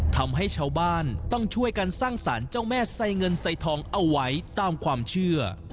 ทำให้ชาวบ้านต้องช่วยกันสร้างสารเจ้าแม่ไซเงินไซทองเอาไว้ตามความเชื่อ